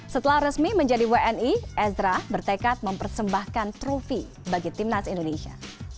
setelah resmi menjadi wni ezra bertekad mempersembahkan trofi bagi timnas indonesia